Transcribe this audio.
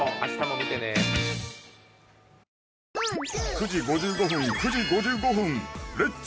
９時５５分９時５５分「レッツ！